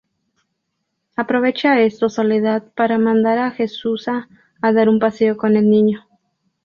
Aprovecha esto Soledad para mandar a Jesusa a dar un paseo con el niño.